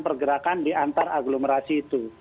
pergerakan di antar agglomerasi itu